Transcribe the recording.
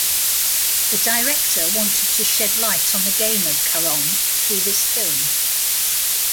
The director wanted to shed light on the game of carrom through this film.